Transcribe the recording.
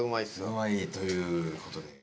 うまいという事で。